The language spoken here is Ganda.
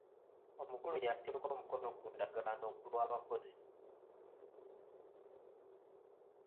Omukulu yateeka omukono ku ndagaano ku lw'abakozi.